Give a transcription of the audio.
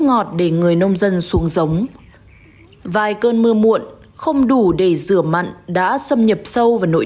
ngọt để người nông dân xuống giống vài cơn mưa muộn không đủ để rửa mặn đã xâm nhập sâu vào nội